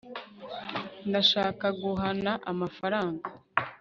ndashaka guhana amafaranga